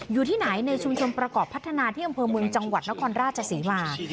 อยู่ที่ไหนในชุมชนประกอบพัฒนาที่อำเภอเมืองจังหวัดนครราชศรีมา